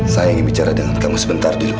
saya ingin bicara dengan kamu sebentar di luar